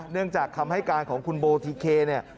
เนื่องจากคำให้การของคุณโบทิเคเนี่ย